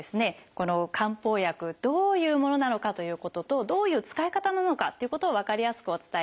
この漢方薬どういうものなのかということとどういう使い方なのかということを分かりやすくお伝えしていきます。